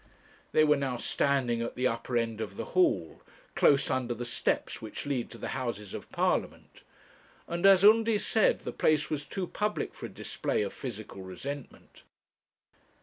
They were now standing at the upper end of the hall close under the steps which lead to the Houses of Parliament; and, as Undy said, the place was too public for a display of physical resentment.